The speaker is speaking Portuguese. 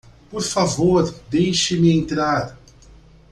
Por favor, deixe-me entrar.